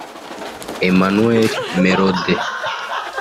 Emmanuel Merode